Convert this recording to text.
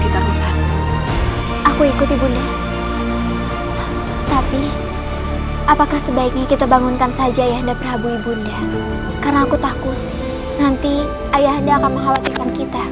takut nanti ayah anda akan mengkhawatirkan kita